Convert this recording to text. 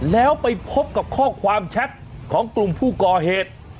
แล้วไปพบของกลุ่มฟูกรเหตุ